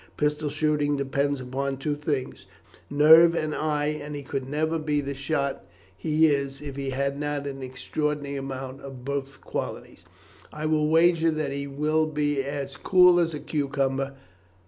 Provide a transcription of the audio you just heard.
Pistol shooting depends upon two things nerve and eye; and he could never be the shot he is if he had not an extraordinary amount of both qualities. I will wager that he will be as cool as a cucumber.